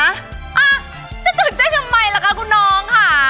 อ่ะจะตื่นเต้นทำไมล่ะคะคุณน้องค่ะ